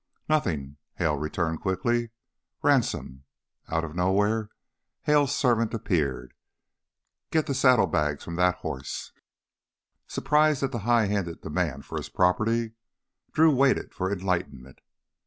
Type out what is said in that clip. "Nothing," Hale returned quickly. "Ransome!" Out of nowhere Hale's servant appeared. "Get the saddlebags from that horse." Surprised at this highhanded demand for his property, Drew waited for enlightenment.